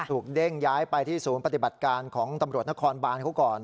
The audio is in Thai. เด้งย้ายไปที่ศูนย์ปฏิบัติการของตำรวจนครบานเขาก่อน